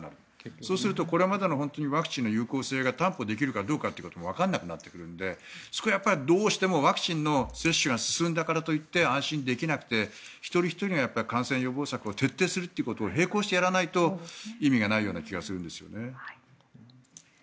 そうすると、これまでのワクチンの有効性が担保できるかどうかということもわからなくなってくるのでそこはやっぱりどうしてもワクチンの接種が進んだからといって安心できなくて一人ひとりが感染予防策を徹底するっていうことを並行してやらないと意味がないような気がするんですよね。